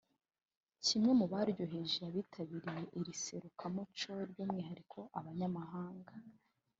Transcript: Kimwe mu byaryoheye abitabiriye iri serukiramuco by’umwihariko abanyamahanga